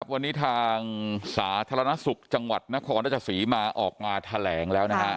วันนี้ทางสาธารณสุขจังหวัดนครราชสีมาออกมาแถลงแล้วนะฮะ